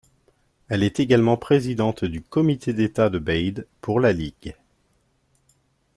Elle est également présidente du Comité d'État de Bade pour la Ligue.